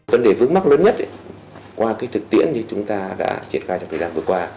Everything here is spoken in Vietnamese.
vấn đề vướng mắt lớn nhất qua thực tiễn như chúng ta đã triển khai trong thời gian vừa qua